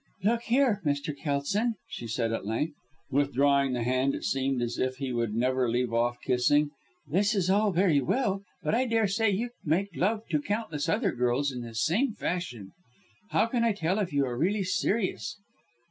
"Look here, Mr. Kelson," she said at length, withdrawing the hand it seemed as if he would never leave off kissing, "this is all very well; but I daresay you make love to countless other girls in this same fashion. How can I tell if you are really serious?"